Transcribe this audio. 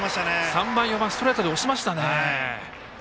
３番、４番ストレートで押しましたね。